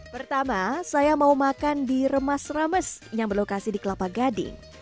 pertama saya mau makan di remas rames yang berlokasi di kelapa gading